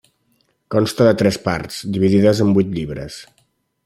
Consta de tres parts, dividides en vuit llibres.